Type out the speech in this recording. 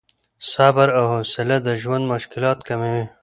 صبر او حوصله د ژوند مشکلات کموي.